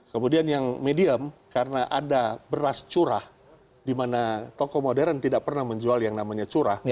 kemudian yang medium karena ada beras curah di mana toko modern tidak pernah menjual yang namanya curah